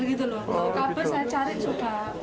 kalau kabel saya cari sudah